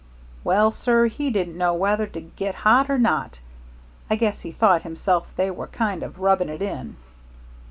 Well, sir, he didn't know whether to get hot or not. I guess he thought himself they were kind of rubbing it in.